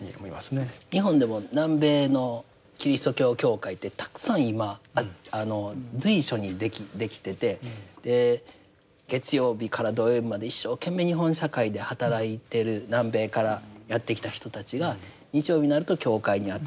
日本でも南米のキリスト教教会ってたくさん今随所にできてて月曜日から土曜日まで一生懸命日本社会で働いている南米からやって来た人たちが日曜日になると教会に集まる。